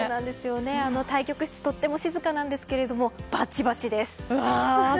対局室はとても静かなんですがバチバチです。